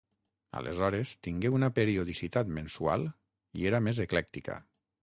Aleshores, tingué una periodicitat mensual i era més eclèctica.